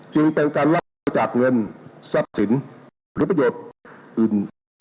จึงเป็นการรับจากเงินซับสินหรือประโยคอื่น